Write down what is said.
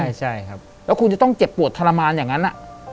แล้วคุณจะต้องเจ็บปวดทรมานอย่างนั้น